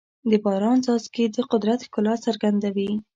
د باران څاڅکي د قدرت ښکلا څرګندوي.